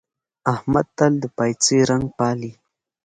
احمد تل د پايڅې رنګ پالي.